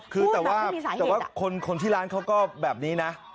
คือแต่ว่าคนที่ร้านเขาก็แบบนี้นะ